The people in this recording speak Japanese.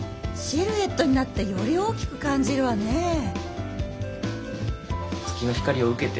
シルエットになってより大きく感じるわねえ。